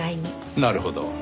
なるほど。